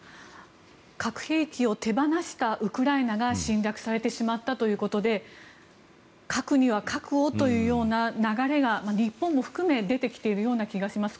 核兵器を手放したウクライナが侵略されてしまったということで核には核をというような流れが日本も含め出てきているような気がします。